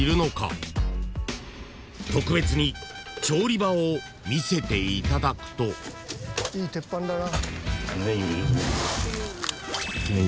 ［特別に調理場を見せていただくと］いい鉄板だな。